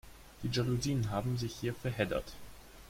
Die Jalousien haben sich hier verheddert.